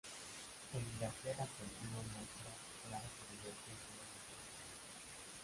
El glaciar argentino muestra claras evidencias de retracción.